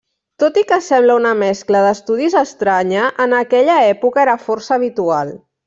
Tot i que sembla una mescla d'estudis estranya, en aquella època era força habitual.